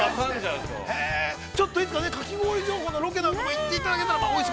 ちょっといつか、かき氷情報のロケとか、行っていただけたら。